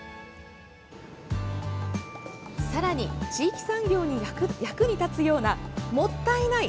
さらに、地域産業に役に立つような「もったいない」